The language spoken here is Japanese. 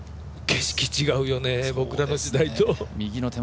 景色違うよね、僕らの時代と。